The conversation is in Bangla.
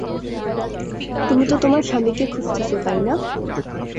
তুমি তো তোমার স্বামীকে খুজতেছো তাই না?